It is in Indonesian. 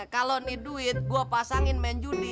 kalau ini duit gue pasangin main judi